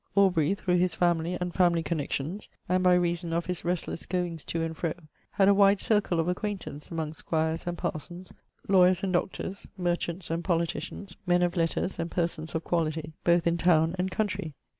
Aubrey, through his family and family connexions, and by reason of his restless goings to and fro, had a wide circle of acquaintance among squires and parsons, lawyers and doctors, merchants and politicians, men of letters and persons of quality, both in town and country.